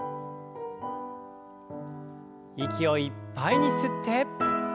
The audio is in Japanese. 息をいっぱいに吸って。